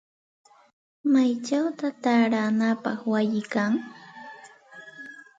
¿Maychawta taaranapaq wayi kan?